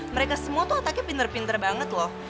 mereka semua tuh otaknya pinter pinter banget loh